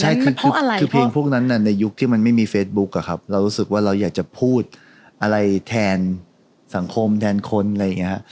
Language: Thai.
ใช่คือเพลงพวกนั้นในยุคที่มันไม่มีเฟซบุ๊คอะครับเรารู้สึกว่าเราอยากจะพูดอะไรแทนสังคมแทนคนอะไรอย่างนี้ฮะ